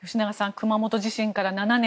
熊本地震から７年。